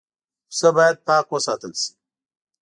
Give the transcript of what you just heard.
پسه باید پاک وساتل شي.